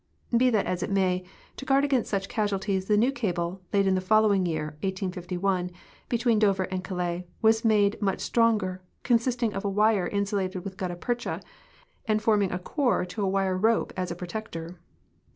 Be that as it may, to guard against such casualities tlie ucav cable, laid in the folloAving year (1851), betAveen Dover and Calais, Avas made much stronger, consisting of a wire insulated Avith gutta percha and forming a core to a Avire rope as a jirotector.